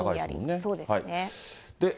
そうですね。